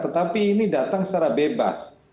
tetapi ini datang secara bebas